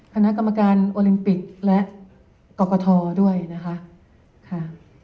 คณะกรรมการโอลิมปิกและกรกฐด้วยนะคะค่ะ